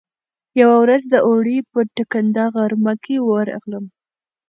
يوه ورځ د اوړي په ټکنده غرمه کې ورغلم.